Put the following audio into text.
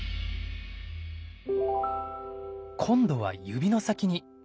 今度は指の先に。